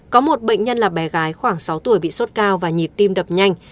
có một bệnh nhân là bé gái khoảng sáu tuổi bị sốt cao và nhịp tim đập nhanh